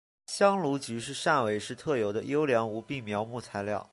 香炉桔是汕尾市特有的优良无病苗木材料。